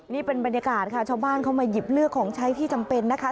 นี่เป็นบรรยากาศค่ะชาวบ้านเข้ามาหยิบเลือกของใช้ที่จำเป็นนะคะ